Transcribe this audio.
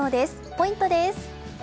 ポイントです。